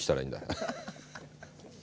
アハハハハ！